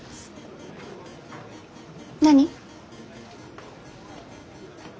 何？